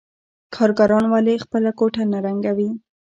کارګران ولې خپله کوټه نه رنګوي